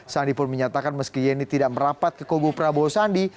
sandi pun menyatakan meski yeni tidak merapat ke kubu prabowo sandi